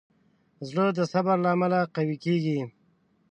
زړه د صبر له امله قوي کېږي.